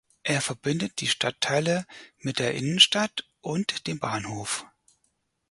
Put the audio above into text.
Er verbindet die Stadtteile mit der Innenstadt und dem Bahnhof.